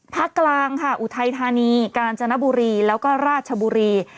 กลางค่ะอุทัยธานีกาญจนบุรีแล้วก็ราชบุรี